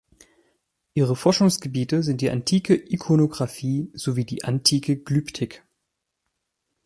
Ihre Forschungsgebiete sind die antike Ikonographie sowie die antike Glyptik.